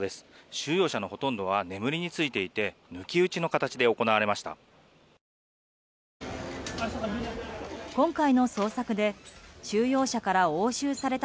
収容者のほとんどは眠りについていて抜き打ちの形で行われました。